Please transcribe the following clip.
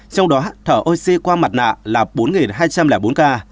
trong đó thở oxy qua mặt nạ là bốn hai trăm linh bốn ca